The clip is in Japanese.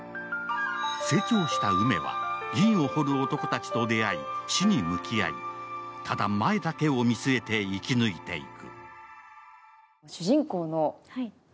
成長したウメは銀を掘る男たちと出会い、死に向き合い、ただ、前だけを見据えて生き抜いていく。